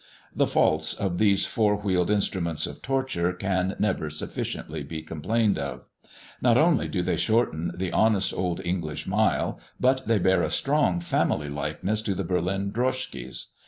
The faults of these four wheeled instruments of torture can never sufficiently be complained of. Not only do they shorten the honest old English mile; but they bear a strong family likeness to the Berlin droshkies.